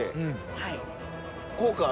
はい。